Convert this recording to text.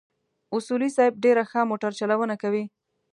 اصولي صیب ډېره ښه موټر چلونه کوله.